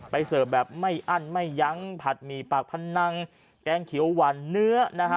เสิร์ฟแบบไม่อั้นไม่ยั้งผัดหมี่ปากพนังแกงเขียวหวานเนื้อนะฮะ